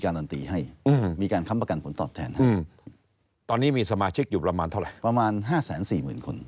เราเริ่มมาประมาณปี๕๘